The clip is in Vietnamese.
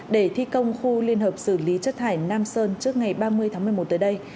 để thi công khu liên hợp xử lý chất thải nam sơn trước ngày ba mươi tháng một mươi một tới đây